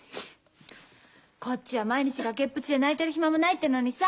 こっちは毎日崖っぷちで泣いてる暇もないってのにさ。